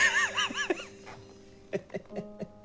ハハハハ。